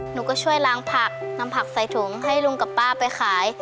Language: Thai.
หนูก็ช่วยล้างผักนำผักใส่ถุงให้ลุงกับป้าไปขาย